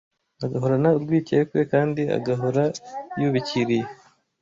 agahorana urwikekwe kandi agahora yubikiriye